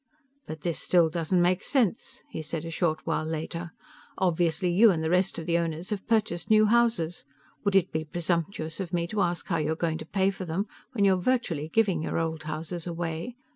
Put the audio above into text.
"But this still doesn't make sense," he said a short while later. "Obviously you and the rest of the owners have purchased new houses. Would it be presumptuous of me to ask how you're going to pay for them when you're virtually giving your old houses away?"